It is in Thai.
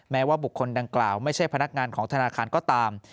ว่าบุคคลดังกล่าวไม่ใช่พนักงานของธนาคารก็ตาม